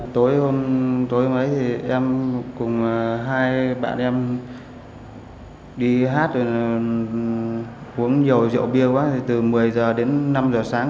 tối hôm ấy thì em cùng hai bạn em đi hát rồi uống nhiều rượu bia quá từ một mươi h đến năm h sáng